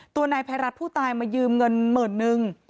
นายภัยรัฐผู้ตายมายืมเงินหมื่นนึง